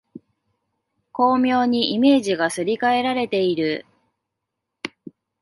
巧妙にイメージがすり替えられている